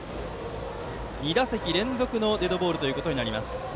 ２打席連続のデッドボールです。